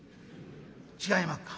「違いまっか」。